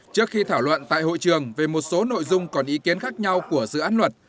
trước khi thảo luận tại hội trường về một số nội dung còn ý kiến khác nhau của dự án luật